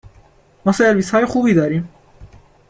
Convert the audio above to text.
ما سرویسهای خوبی داریم